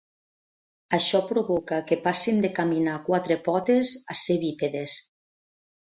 Això provoca que passin de caminar a quatre potes a ser bípedes.